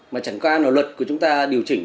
mà chẳng qua là luật của chúng ta điều chỉnh